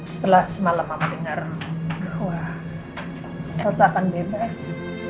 setelah semalam mama dengar bahwa elsa akan bebas